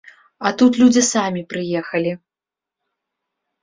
А тут людзі самі прыехалі.